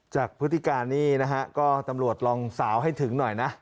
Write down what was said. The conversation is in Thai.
พฤติการนี้นะฮะก็ตำรวจลองสาวให้ถึงหน่อยนะ